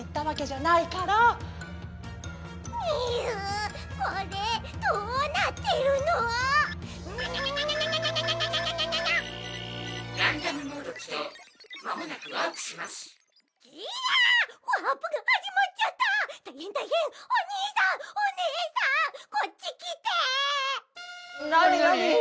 なになに？